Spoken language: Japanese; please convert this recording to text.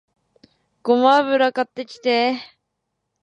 ごま油買ってきて